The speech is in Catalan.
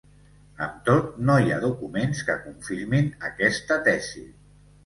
Amb tot, no hi ha documents que confirmin aquesta tesi.